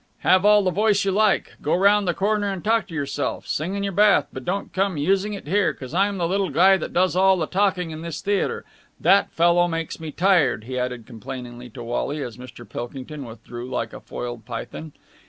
Have all the voice you like! Go round the corner and talk to yourself! Sing in your bath! But don't come using it here, because I'm the little guy that does all the talking in this theatre! That fellow makes me tired," he added complainingly to Wally, as Mr. Pilkington withdrew like a foiled python.